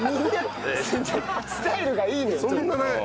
スタイルがいいんだよ